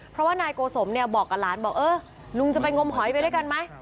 เพราะว่านายโกสมเนี่ยบอกกับหลานบอกเออลุงจะไปงมหอยไปด้วยกันไหม